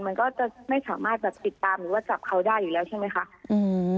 มันก็จะไม่สามารถแบบติดตามหรือว่าจับเขาได้อยู่แล้วใช่ไหมคะอืม